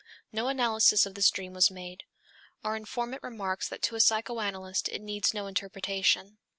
No analysis of this dream was made. Our informant remarks that to a psychoanalyst it needs no interpretation.